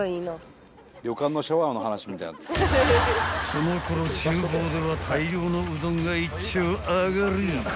［そのころ厨房では大量のうどんがいっちょ上がり］